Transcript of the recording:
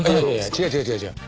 違う違う違う違う。